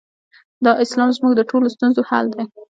دا اسلام زموږ د ټولو ستونزو حل دی.